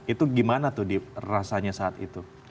itu gimana tuh rasanya saat itu